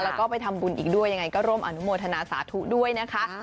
แล้วก็ไปทำบุญอีกด้วยยังไงก็ร่วมอนุโมทนาสาธุด้วยนะคะ